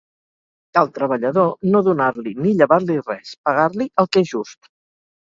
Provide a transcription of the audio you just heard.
Al treballador, no donar-li, ni llevar-li res; pagar-li el que és just.